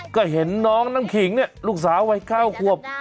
ก็เห็นน้องน้ำขิงเนี่ยลูกสาววัย๙ขวบ